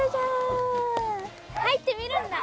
入ってみるんだ。